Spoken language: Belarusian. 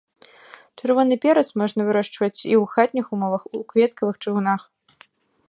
Чырвоны перац можна вырошчваць і ў хатніх умовах у кветкавых чыгунах.